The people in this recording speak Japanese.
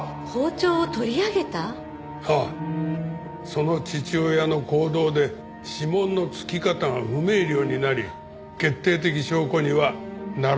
その父親の行動で指紋の付き方が不明瞭になり決定的証拠にはならなかったんだ。